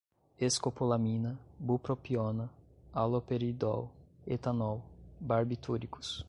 escopolamina, bupropiona, haloperidol, etanol, barbitúricos